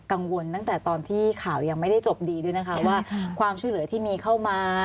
ตั้งแต่ตอนที่ข่าวยังไม่ได้จบดีด้วยนะคะว่าความช่วยเหลือที่มีเข้ามา